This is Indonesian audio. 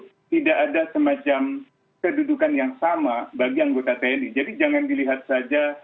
yang mungkin merugikan kepentingan hukum komandannya nah itu di situ tidak ada semacam kedudukan yang sama bagi anggota tni jadi jangan dilihat saja